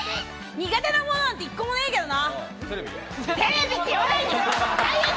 苦手なものなんて１個もねえけどな。